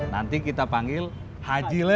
nanti kita panggil haji lele